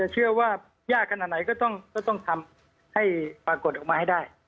เชื่อว่ายากขนาดไหนก็ต้องทำให้ปรากฏออกมาให้ได้